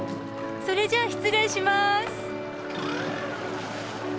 それじゃあ失礼します。